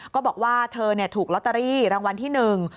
ก็บอกว่าเธอถูกลอตเตอรี่รางวัลที่หนึ่ง